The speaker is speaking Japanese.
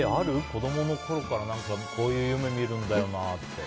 子供のころからこういう夢見るんだよなって。